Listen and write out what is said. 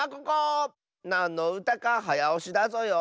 なんのうたかはやおしだぞよ。